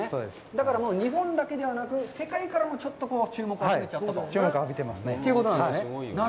だから、日本だけではなく、世界からもちょっと注目を集めたということなんですね。